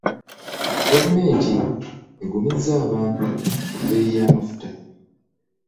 Gavumenti egumizza abantu ku bbeeyi y'amafuta .